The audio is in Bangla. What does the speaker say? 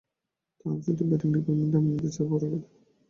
তাঁর অনুপস্থিতিতে ব্যাটিং ডিপার্টমেন্টে এমনিতেই চাপ বাড়ার কথা।